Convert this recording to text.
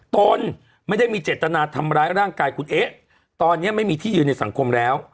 ตนไม่ได้มีเจตนาทำร้ายร่างกายคุณเอ๊ะตอนนี้ไม่มีที่ยืนในสังคมแล้ว